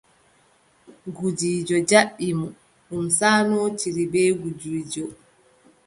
Gudiijo jaɓɓi mo, ɗum saanootiri bee gudiijo.